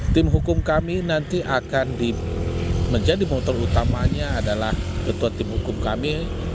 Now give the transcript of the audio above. tim hukum kami nanti akan menjadi motor utamanya adalah ketua tim hukum kami